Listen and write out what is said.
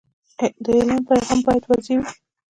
د اعلان پیغام باید واضح وي.